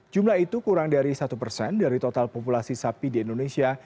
jumlah itu kurang dari satu persen dari total populasi sapi di indonesia